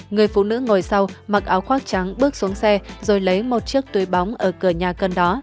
người phụ nữ ngồi sau mặc áo khoác trắng bước xuống xe rồi lấy một chiếc túi bóng ở cửa nhà gần đó